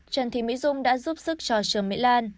trần thị mỹ dung đã giúp sức cho trương mỹ lan